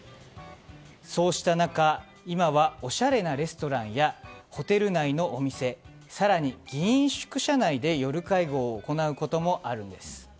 そうした中、今はおしゃれなレストランやホテル内のお店更に議員宿舎内で夜会合を行うこともあるんです。